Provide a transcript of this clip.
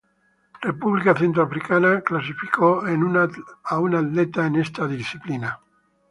República Centroafricana clasificó a un atleta en esta disciplina.